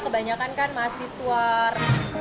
kebanyakan kan masih suar